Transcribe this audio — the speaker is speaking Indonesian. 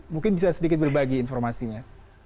mungkin bisa sedikit berbagi informasinya